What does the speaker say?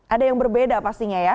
ada yang berbeda pastinya ya